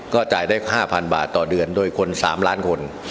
ก็จ่ายได้ห้าพันบาทต่อเดือนโดยคนสามล้านคน